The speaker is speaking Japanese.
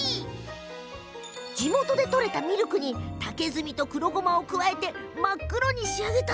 地元で取れたミルクに竹炭と黒ごまを加えて真っ黒に仕上げました。